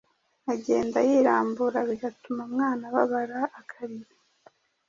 agenda yirambura, bigatuma umwana ababara akarira